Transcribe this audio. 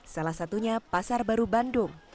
salah satunya pasar baru bandung